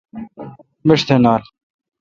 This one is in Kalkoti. مݭ تھ نال۔